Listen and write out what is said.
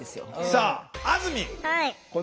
さああずみん！